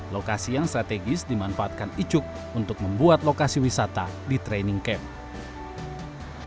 lokasi yang strategis dimanfaatkan icuk untuk membuat lokasi wisata di training camp